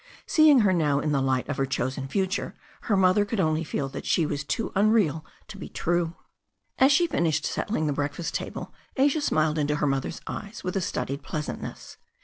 Seeing her now in the light of her chosen future, her mother could only feel that she was too unreal to be true. As she finished settling the breakfast table Asia smiled into her mother's eyes with a studied pleasantness.